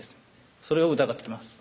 それを疑ってきます